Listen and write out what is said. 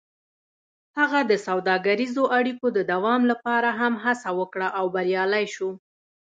هغه د سوداګریزو اړیکو د دوام لپاره هم هڅه وکړه او بریالی شو.